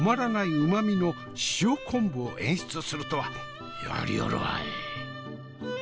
うまみの塩昆布を演出するとはやりよるわい。